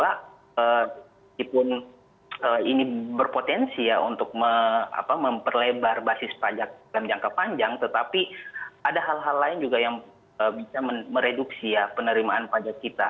walaupun ini berpotensi ya untuk memperlebar basis pajak dalam jangka panjang tetapi ada hal hal lain juga yang bisa mereduksi ya penerimaan pajak kita